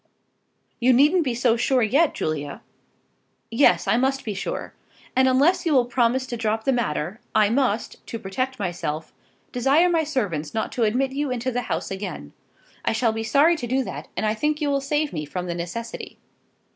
"You needn't be so sure yet, Julia." "Yes, I must be sure. And unless you will promise me to drop the matter, I must, to protect myself, desire my servants not to admit you into the house again. I shall be sorry to do that, and I think you will save me from the necessity."